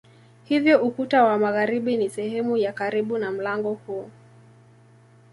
Hivyo ukuta wa magharibi ni sehemu ya karibu na mlango huu.